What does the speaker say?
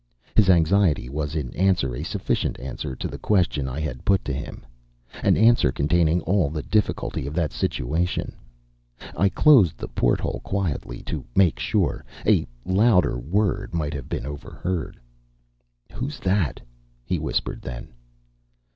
His anxiety was in answer, a sufficient answer, to the question I had put to him. An answer containing all the difficulty of that situation. I closed the porthole quietly, to make sure. A louder word might have been overheard. "Who's that?" he whispered then.